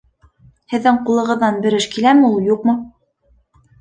Һеҙҙең ҡулығыҙҙан бер эш киләме ул, юҡмы?